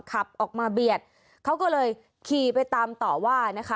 ขับออกมาเบียดเขาก็เลยขี่ไปตามต่อว่านะคะ